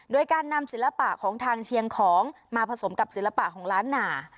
โดยการนำศิลปะของทางเชียงของมาผสมกับศิลปะของล้านหนา